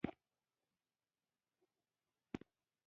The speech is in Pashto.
د کانکریټي فرش پلچکونه د ار سي سي پوښښ لري